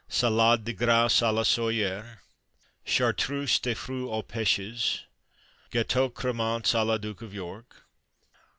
Salade de Grouse à la Soyer. Chartreuse de Fruits aux Pêches. Gâteaux crêmants à la Duke of York.